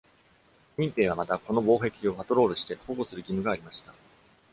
民兵はまた、この防壁をパトロールして保護する義務がありました。